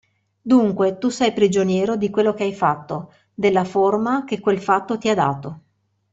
Dunque, tu sei prigioniero di quello che hai fatto, della forma che quel fatto ti ha dato.